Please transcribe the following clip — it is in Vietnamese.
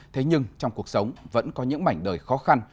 thế nhưng trong cuộc sống vẫn có những mảnh đời khó khăn